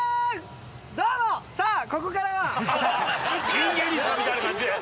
ピン芸人さんみたいな感じで。